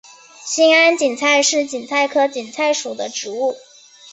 兴安堇菜是堇菜科堇菜属的植物。